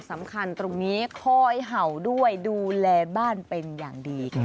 สำคัญตรงนี้คอยเห่าด้วยดูแลบ้านเป็นอย่างดี